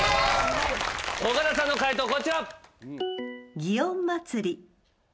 岡田さんの解答こちら。